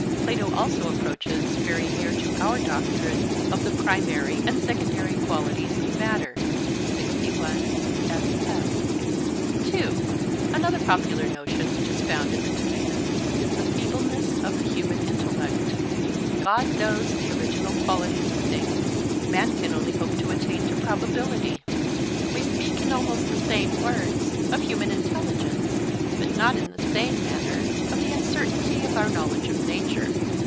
Plato also approaches very near to our doctrine of the primary and secondary qualities of matter. (2) Another popular notion which is found in the Timaeus, is the feebleness of the human intellect—'God knows the original qualities of things; man can only hope to attain to probability.' We speak in almost the same words of human intelligence, but not in the same manner of the uncertainty of our knowledge of nature.